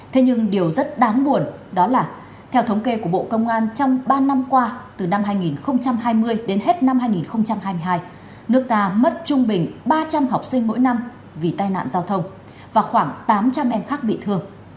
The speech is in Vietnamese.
thế nhưng điều rất đáng buồn đó là theo thống kê của bộ công an trong ba năm qua từ năm hai nghìn hai mươi đến hết năm hai nghìn hai mươi hai nước ta mất trung bình ba trăm linh học sinh mỗi năm vì tai nạn giao thông và khoảng tám trăm linh em khác bị thương